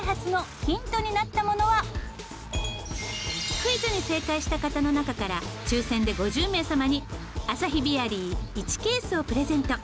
クイズに正解した方の中から抽選で５０名様にアサヒビアリー１ケースをプレゼント。